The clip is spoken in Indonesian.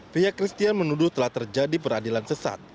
pihak christian menuduh telah terjadi peradilan sesat